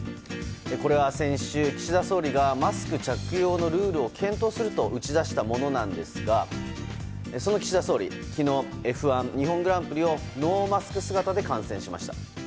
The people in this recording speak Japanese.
これは先週、岸田総理がマスク着用のルールを検討すると打ち出したものなんですがその岸田総理、昨日Ｆ１日本グランプリをノーマスク姿で観戦しました。